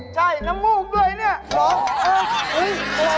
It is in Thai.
ใช่น้ำมูกด้วยนี่เหรอเอ๊ะ